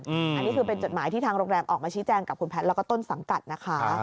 อันนี้คือเป็นจดหมายที่ทางโรงแรมออกมาชี้แจงกับคุณแพทย์แล้วก็ต้นสังกัดนะคะ